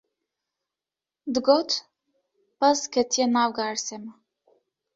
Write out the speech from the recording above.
Digot: pez ketiye nav garisê me